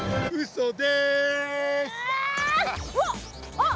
あっ！